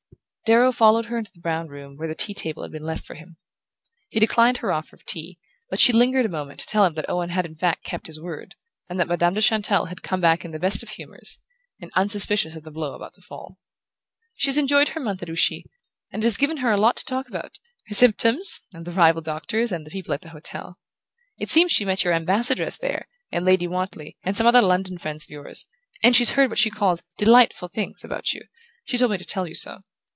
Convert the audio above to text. Darrow followed her into the brown room, where the tea table had been left for him. He declined her offer of tea, but she lingered a moment to tell him that Owen had in fact kept his word, and that Madame de Chantelle had come back in the best of humours, and unsuspicious of the blow about to fall. "She has enjoyed her month at Ouchy, and it has given her a lot to talk about her symptoms, and the rival doctors, and the people at the hotel. It seems she met your Ambassadress there, and Lady Wantley, and some other London friends of yours, and she's heard what she calls 'delightful things' about you: she told me to tell you so.